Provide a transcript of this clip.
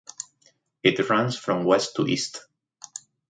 It runs from west to east.